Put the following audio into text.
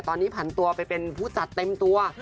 ตอนนี้ผันตัวไปเป็นผู้จัดเต็มตัว